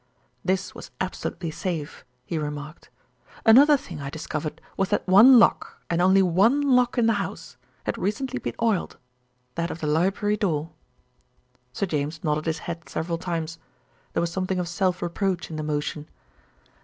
"This was absolutely safe," he remarked. "Another thing I discovered was that one lock, and only one lock in the house, had recently been oiled that of the library door." Sir James nodded his head several times. There was something of self reproach in the motion.